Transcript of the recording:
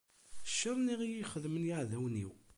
Ccer nni i iyi-xedmen yiɛdawen-iw.